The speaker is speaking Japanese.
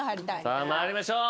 さあ参りましょう。